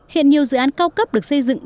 hiện nhiều dự án cao cấp được xây dựng